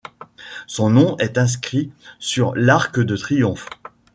Son nom est inscrit sur l'Arc de Triomphe.